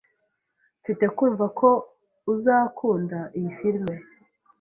Mfite kumva ko uzakunda iyi firime.